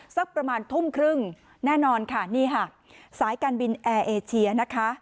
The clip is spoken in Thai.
สักประมาณทุ่มครึ่งแน่นอนค่ะนี่ค่ะสายการบินแอร์เอเชียนะคะ